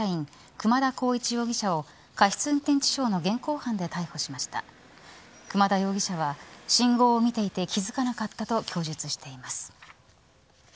熊田容疑者は信号を見ていて気付かなかったと供述しています。